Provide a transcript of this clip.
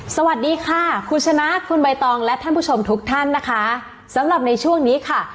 สวัสดีค่ะคุณชนะคุณใบตองและท่านผู้ชมทุกท่านนะคะสำหรับในช่วงนี้ค่ะ